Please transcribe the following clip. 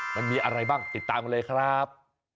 มันมีอะไรบ้างติดตามกันเลยครับ